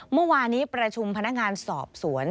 เมื่อวานี้ประชุมพนักงานสอบสวน